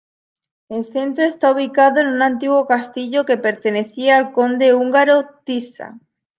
El centro está ubicado en un antiguo castillo que pertenecía al conde húngaro Tisza.